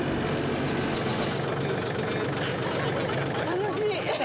楽しい。